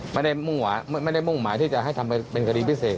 ไม่ได้มุ่งหมายที่จะให้ทำเป็นคดีพิเศษ